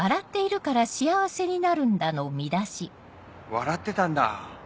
笑ってたんだ。